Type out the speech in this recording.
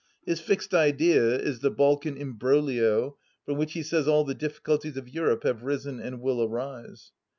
His fixed idea is the Balkan Imbroglio, from which he says all the difficulties of Europe have risen and will arise.